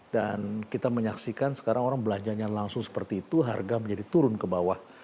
dan kita menyaksikan sekarang orang belanjanya langsung seperti itu harga menjadi turun ke bawah